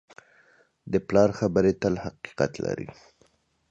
د پلار خبرې تل حقیقت لري.